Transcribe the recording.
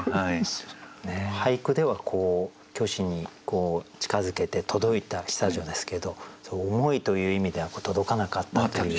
俳句では虚子に近づけて届いた久女ですけど思いという意味では届かなかったという。